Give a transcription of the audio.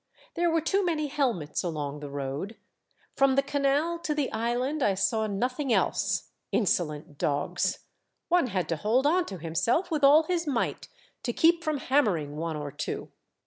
There were too many helmets along the road. From the canal to the Island I saw nothing else. Insolent dogs ! one had to hold on to himself with all his might to keep from hammering one or two